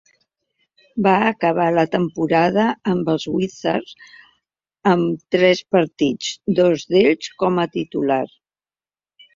Va acabar la temporada amb els Wizards amb tres partits, dos d'ells com a titular.